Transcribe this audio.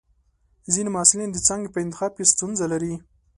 ځینې محصلین د څانګې په انتخاب کې ستونزه لري.